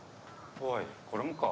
おいこれもか？